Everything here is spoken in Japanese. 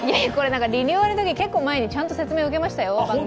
リニューアルのときに結構、前にちゃんと説明されましたよ。